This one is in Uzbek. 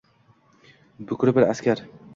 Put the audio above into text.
Bukri bir askar